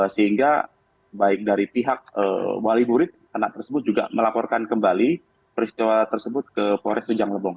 sehingga baik dari pihak wali murid anak tersebut juga melaporkan kembali peristiwa tersebut ke polres tunjang lebong